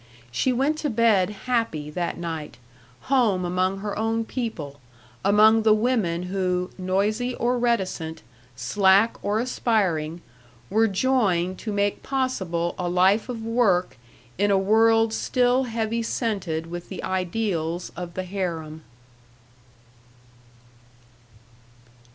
She went to bed happy that night, home among her own people, among the women who, noisy or reticent, slack or aspiring, were joined to make possible a life of work in a world still heavy scented with the ideals of the harem.